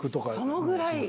そのぐらい？